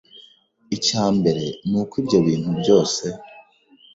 Icya mbere ni uko ibyo bintu byose